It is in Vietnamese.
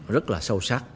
rất là sâu sắc